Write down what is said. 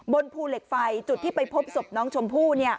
บนภูเหล็กไฟจุดที่ไปพบศพน้องชมพู่